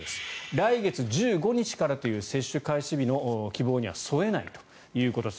来月１５日からという接種開始日の希望には沿えないということです。